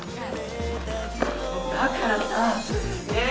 だからさねえ！